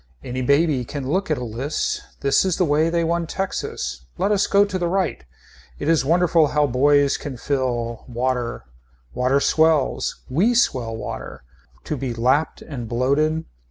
Any baby can look at a list. This is the way they won Texas Let us go to the right. It is wonderful how boys can fill. Water. Water swells. We swell water. To be lapped and bloated.